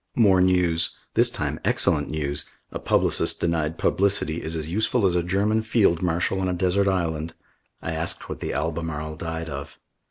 More news. This time excellent news. A publicist denied publicity is as useful as a German Field Marshal on a desert island. I asked what The Albemarle died of.